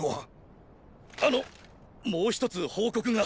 あのもう一つ報告が。